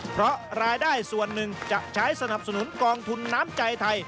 เพราะรายได้ส่วนหนึ่งจะใช้สนับสนุนกองทุนน้ำใจไทย